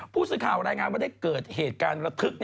ผู้สื่อข่าวรายงานว่าได้เกิดเหตุการณ์ระทึก